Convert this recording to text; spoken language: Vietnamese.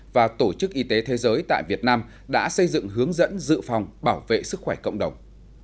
và tổ chức y tế thế giới tại việt nam đã xây dựng hướng dẫn dự phòng bảo vệ sức khỏe cộng đồng